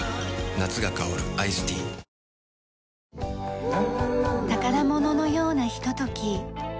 夏が香るアイスティー宝物のようなひととき。